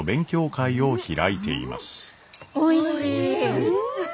おいしい。